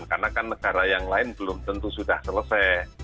karena kan negara yang lain belum tentu sudah selesai